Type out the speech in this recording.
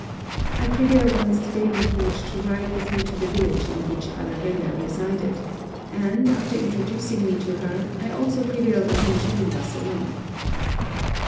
I prevailed on Mr. Davenport to ride with me to the village in which Arabella resided; and, after introducing me to her, I also prevailed on him to leave us alone.